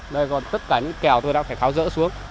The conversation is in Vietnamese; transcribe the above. đây còn tất cả những kèo tôi đã phải tháo rỡ xuống